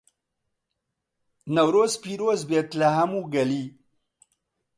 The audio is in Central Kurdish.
نەورۆز پیرۆزبێت لە هەموو گەلی